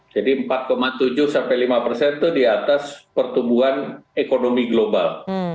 jadi empat tujuh sampai lima persen itu di atas pertumbuhan ekonomi global